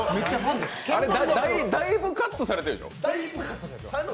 大分カットされてるでしょ。